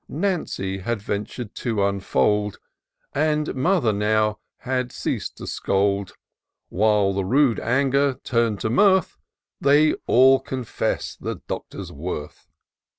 207 Nancy had ventur'd to unfold, And mother now had ceas'd to scold ; While, the rude anger tum'd to mirth, They all confess the Doctor's worth.